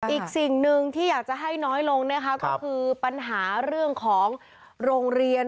อีกสิ่งหนึ่งที่อยากจะให้น้อยลงนะคะก็คือปัญหาเรื่องของโรงเรียน